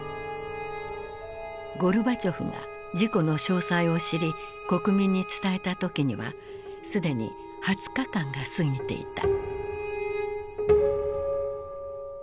ゴルバチョフが事故の詳細を知り国民に伝えた時には既に２０日間が過ぎていた。